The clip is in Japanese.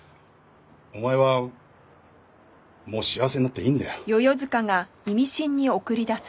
お前はもう幸せになっていいんだよ。